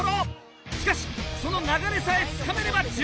しかしその流れさえつかめれば十分！